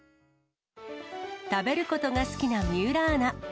食べることが好きな水卜アナ。